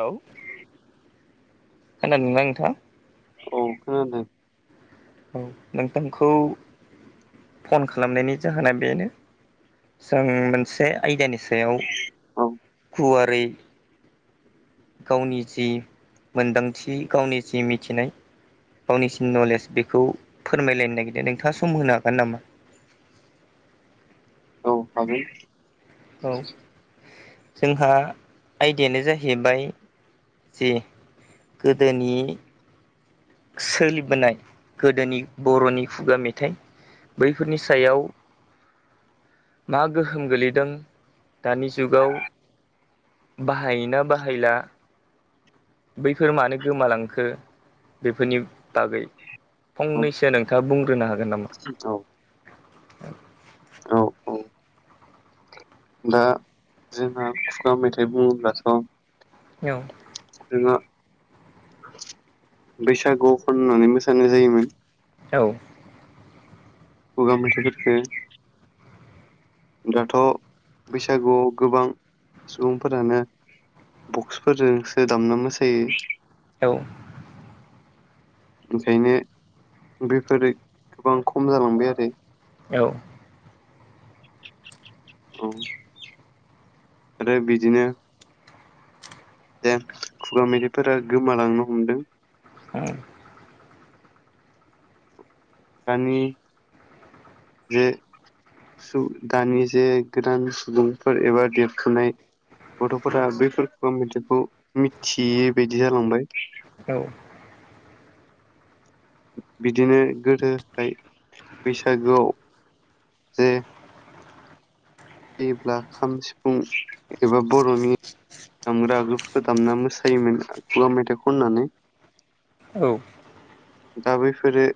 Hello खोनादों ना नोंथां औ खोनादों औ नोंथांखौ फन खालामनायनि जाहोना बेनो जों मोनसे आयदानि सायाव औ गुवारै गावनि जि मोन्दांथि गावनि जि मिथिनाय गावनिसिन नलेज बेखौ फोरमायलायनो नागिरदों नोंथाङा सम होनो हागोन नामा [inaudible] औ हागोन औ जोंहा आयदायानो जाहैबाय जि गोदोनि सोलिबोनाय गोदोनि बर'नि खुगा मेथाइ बैफोरनि सायाव मा गोहोम गोलैदों दानि जुगाव बाहायोना बाहायला बैफोर मानो गोमालांखो बेफोरनि बागै फंनैसो नोंथाङा बुंग्रोनो हागोन नामा? औ [inaudible] औ औ दा जोंहा खुुगा मेथाइ बुङोब्लाथ' औ बैसागु खननानै मोसानाय जायोमोन औ खुगा मेथाय फोरखौ दाथ' बैसागु गोबां सुबुंफोरानो बक्सफोरजोंसो दामना मोसायो औ ओंखायनो बेफोरो गोबां खम जालांबाय आरो औ औ आरो बिदिनो दे खुगा मेथाय फोरा गोमालांनो हमदों [inaudible] दानि जे सु दानि जे गोदान सुबुंफोर एबा देरफुनाय गथ'फोरा बैफोरखौ मेथाय खौ मिथियै बायदि जालांबाय औ बिदिनो गोदोहाय बैसागोआव जे जेब्ला खाम सिफुं एबा बर'नि दामग्रा आगजुफोरखौ दामना मोसायोमोन खुगा मेथाइ खननानै औ औ दा बैफोरो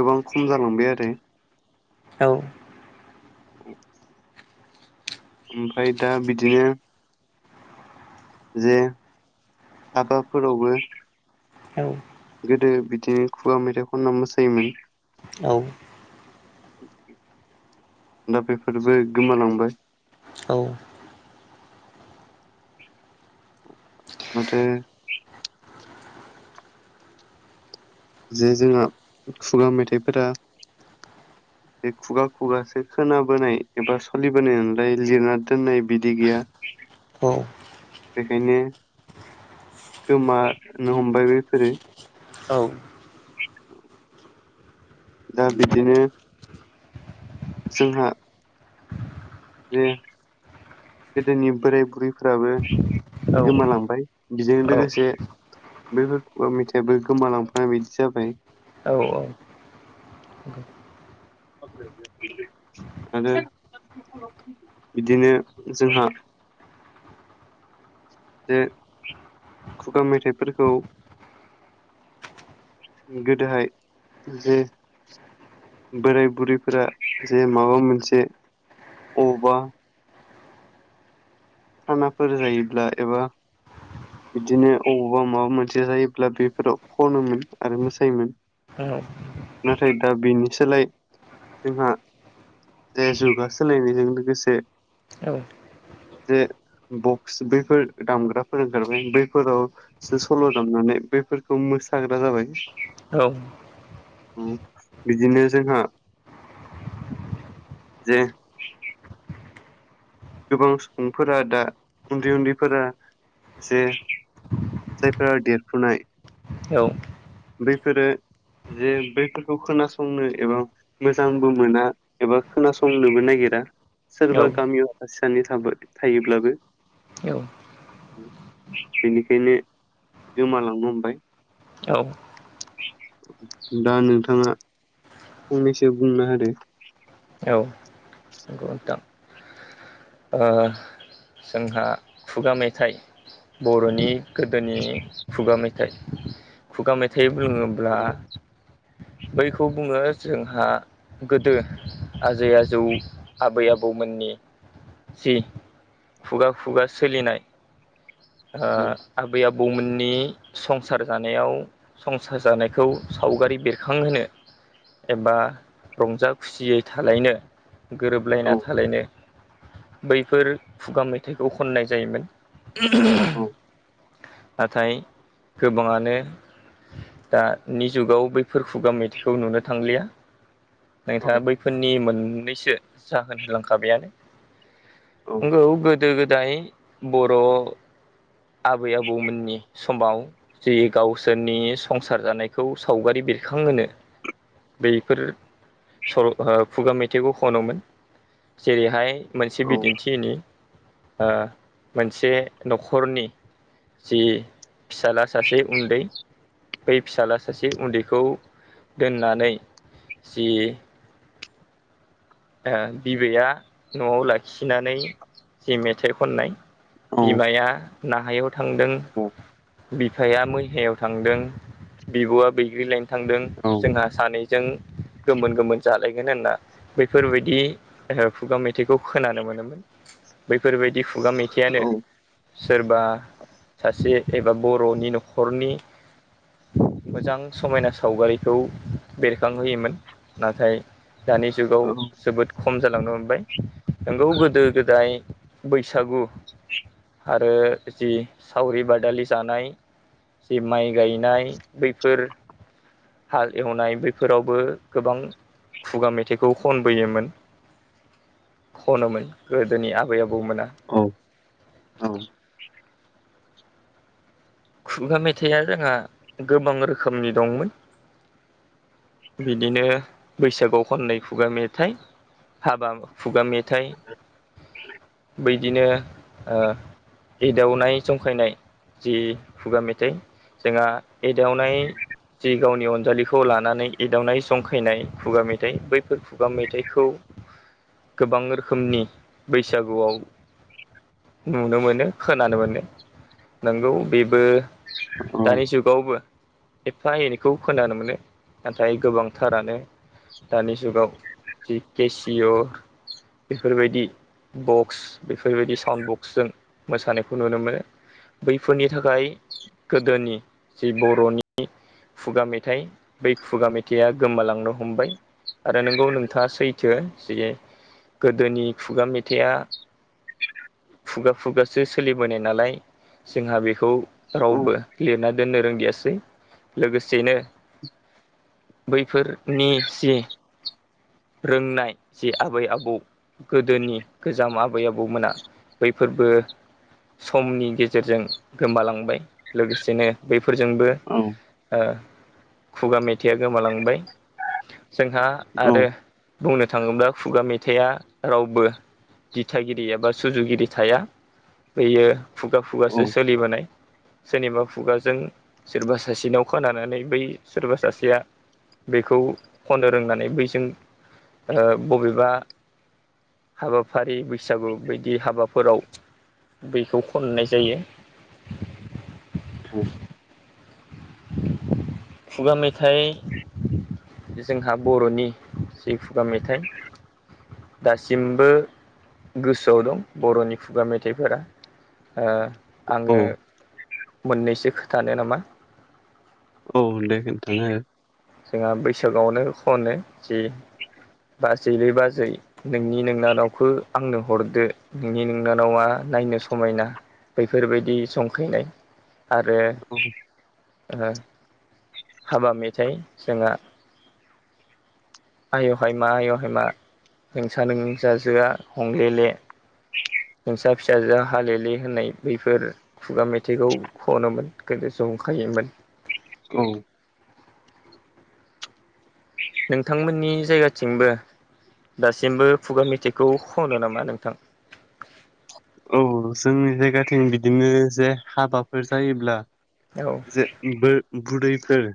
गोबां खम जालांबाय आरो औ [inaudible] ओमफ्राय दा बिदिनो जे हाबाफोरावबो औ गोदो बिदिनो खुवा मेथाइ खनना मोसायोमोन औ औ दा बेफोरबो गोमालांबाय मा थो जे जोंहा खुगा मेथाइफोरा [unintelligible] बे खुगा खुगासो खोनाबोनाय एबा सोलिबोनाय नलाय लिरना दोननाय बिदि गैया औ बेखायनो गोमानो हमबाय बेफोरो औ दा बिदिनो जोंहा जे गोदोनि बोराय बुरैफोराबो गोमालांबाय बेजों लोगोसे बेफोरखौा मेथाइाबो गोमालांफानाय बिदि जाबाय औ [unintelligible] आरो बिदिनो जोंहा जे खुगा मेथाइफोरखौ गोदोहाय जे बोराय बुरैफोरा जे माबा मोनसे औबा खानाफोर जायोब्ला एबा बिदिनो अबावबा माबा मोनसे जायोब्ला बेफोराव खनोमोन आरो मोसायोमोन औ नाथाय दा बेनि सोलाय जोंहा दे जुगा सोलायनायजों लोगोसे औ जे बक्स बैफोर दामग्राफोर ओंखारबाय बैफोरावसो सल' दामनानै बेफोरखौ मोसाग्रा जाबाय औ बिदिनो जोंहा जे गोबां सुबुंफोरा दा उन्दै उन्दैफोरा जे जायफोरा देरफुनाय औ बेफोरो जे बैफोरखौ खोनासंनो एबा मोजांबो मोना एबा खोनासंनोबो नागिरा सोरबा गामियाव आसि सानै थ थायोब्लाबो बेनिखायनो गोमालांनो हमबाय औ दा नोंथाङा फंनैसो बुंनो होादो ओ नोंथां ओ जोंहा खुगा मेथाइ बर'नि गोदोनि खुगा मेथाइ खुगा मेथाइ बुङोब्ला बैखौ बुङो जोंहा गोदो आजै आजौ आबै आबौमोननि जि खुगा खुगा सोलिनाय ओ आबै आ बौमोननि संसार जानायाव संसार जानायखौ सावगारि बेरखांहोनो एबा रंजा खुसियै थालायनो गोरोबलायना औ थालायनो बैफोर खुगा मेथाइखौ खननाय जायोमोन। औ नाथाय गोबाङानो दानि जुगाव बैफोर खुगा मेथाइखौ नुनो थांलिया औ नोंथाङा बैफोरनि मोननैसो जाहोन होलांखाबायानो औ नंगौ गोदो गोदाय बर' आबै आबौमोननि समाव जि गावसोरनि संसार जानायखौ सावगारि बेरखांहोनो बैफोर सल' खुगा मेथाइखौ खनोमोन जेरैहाय मोनसे औ बिदिन्थिनि ओ मोनसे नखरनि जि फिसाला सासे उन्दै बै फिसाला सासे उन्दैखौ दोननानै जि ओ बिबैया नआव लाखिनानै जि मेथाइ खननाय औ बिमाया नाहायाव थांदों औ बिफाया मैहायाव थांदों बिबआ बैग्रि लायनो थांदों औ जोंहा सानै जों गोमोन गोमोन जालायगोन होनना बैफोरबायदि ओ खुगा मेथाइखौ खोनानो मोनोमोन बै फोरबायदि खुगा मेथाइयानो सोरबा सासे एबा बरनि नखरनि मोजां समायना सावगारिखौ बेरखांहोयोमोन नाथाय दानि जुगाव जोबोद खम जालांनो हमबाय नोंगौ गोदो गोदाय बैसागु आरो जि सावरि बादालि जानाय जे माइ गायनाय बैफोर हाल एवनाय बैफोरावबो गोबां खुगा मे थायखौ खनबोयोमोन खनोमोन गोदोनि आबै आबौ औ-औ खुगा मेथाइआ जोंहा गोबां रोखोमनि दंमोन। बिदिनो बैसागआव खननाय खुगा मेथाइ हाबा खुगा मेथाइ बै बिदिनो ओ एदावनाय जंखायनाय जि खुगा मेथाइ जोंहा एदावनाय जि गावनि अन जालिखौ लानानै एदावनाय जंखायनाय खुगा मेथाइ बैफोर खुगा मेथाइखौ गोबां रोखोमनि बैसागुआव नुनो मोनो खोनानो मोनो नोंगौ बे बो दानि जुगावबो एफा एनैखौ खोनानो मोनो नाथाय गोबांथारानो दानि जुगाव जि के सिअ बेफोर बायदि बक्स बेफोर बायदि साउन्ड बक्सजों मोसानायखौ नुनो मोनो। बैफोरनि थाखाय गोदोनि जि बरनि खुगा मेथाइ बै खुगा मेथाइआ गोमालांनो हमबा आरो नोंगौ नोंथाङा सैथो जे गोदोनि खुगा मेथाइआ खुगा खुगासो सोलिबोनाय नालाय जोंहा बे खौ औ रावबो लिरना दोननो रोंगियासै लोगोसेनो बैफोरनि जे रोंनाय जे आबै आबौ गोदोनि गोजाम आबै आबौमोना बैफोरबो समनि गेजेरजों गोमालांबाय लोगोसेनो बैफोरजोंबो ओ खुगा मेथाइया गोमालांबाय जोंहा आरो बुंनो थाङोब्ला खुगा मेथाइआ रावबो दिथागिरि एबा सुजुगिरि थाया बैयो खुगा खुगासो सोलिबोनाय सोरनिबा खुगाजों सोरबा सासेनाव खोनानानै बै सोरबा सासेया बेखौ खननो रोंनानै बैजों ओ बबेबा हाबाफारि बैसागु बैयदि हाबाफोराव बैखौ खननाय जायो लांदां खुगा मेथाइ जोंहा बर'नि जि खुगा मेथाइ दासिमबो गोसोआव दं बर'नि खुगा मेथाइफोरा ओ औ आङो मोननैसो खोथानो नामा? औ दे खिन्थानो हागोन जोंहा बैसागआवनो खनो जि बाजैलै बाजै नोंनि नोंनानावखौ आंनो हरदो नोंनि नोंनानावा नायनो समायना बैफोरबायदि जंखैनाय। आरो हो ओ हाबा मेथाइ जोंहा। आय' हाय मा आय हाय मा नोंसा नोंसाजोआ हंलेले। नोंसा फिसाजोआ हालेले होननाय बैफोर खुगा मेथाइखौ खनोमोन गोदो जंखायोमोन। औ। नोंथांमोननि जायगाथिंबो दासिमबो खुगा मेथाइखौ खनो नामा नोंथां? औ जोंनि जायगाथिं बिदिनो जे हाबाफोर जायोब्ला औ जे बो बुरैफोर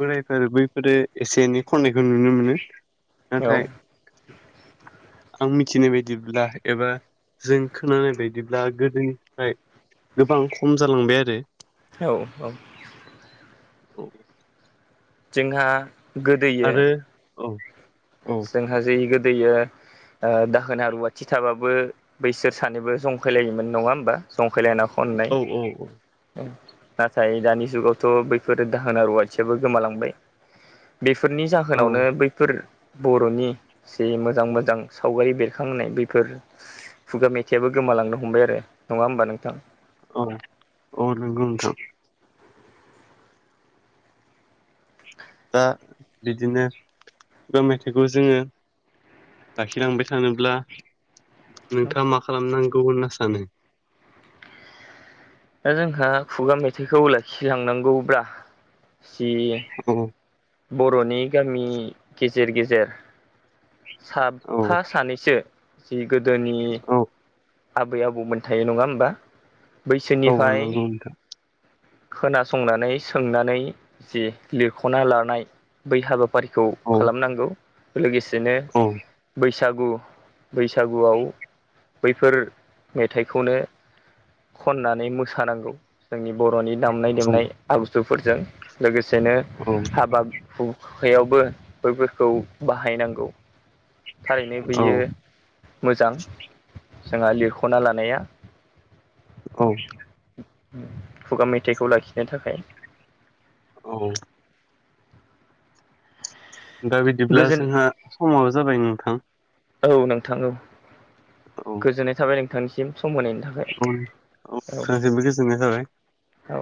बोराय फोर बैफोरो एसे एनै खननायखौ नुनो मोनो औ नाथाय आं मिथिनाय बायदिब्ला। एबा जों खोनानाय बायदिब्ला गोदोनिफ्राय गोबां खम जालांबाय आरो। औ औ। औ जोंहा गोदोयो औ। जोंहा जै गोदैयो ओ दाहोना रुवाथि थाबाबो बैसोर सानैबो जंखायलायोमोन नङा होमबा जंखायलायना खननाय। औ औ नाथाय दानि जुगावथ' बैफोर दाहोना रुवाथियाबो गोमालांबाय। बेफोरनि औ जाहोनावनो बैफोर बर'नि जे मोजां मोजां सावगारि बेरखांनाय बैफोर खुगा मेथाइयाबो गोमालांनो हमबाय आरो नङा होमबा नोंथां? औ औ नोंगौ नोंथां। दा बिदिनो खुगा मेथाइखौ जोङो। लाखिलांबाय थानोब्ला नोंथाङा मा खालामनांगौ होनना सानो? दा जोंहा खुगा मेथाइखौ लाखिलांनांगौब्ला जि औ बर'नि गामि गेजेर गेजेर औ साफा सानैसो जि गोदोनि औ आबै आबौमोनथायो नङा होमबा औ बैसोनिफ्राय नंगौ नोंथां खोनासंनानै सोंनानै जि लिरख'ना लानाय बै हाबा फारिखौ औ खालामनांगौ लोगोसेनो औ बै सागु बैसागुआव बैफोर मेथाइखौनो खननानै मोसानांगौ जोंनि बर'नि दामनाय औ देनाय आगुजुफोरजों लोगोसेनो औ हाबा हु खायावबो बैफोरखौ बाहायनांगौ थारैनो औ बियो मोजां जोंहा लिरख'ना लानाया। औ। खुगा मेथाइखौ लाखिनो थाखाय। औ। दा बिदिब्ला गोजोन जोंहा समाबो जाबाय नोंथां। औ नोंथां औ औ गोजोननाय थाबाय नोंथांनिसिम। सम होनायनि औ थाखाय औ। नोंथांसिमबो गोजोननाय थाबाय औ।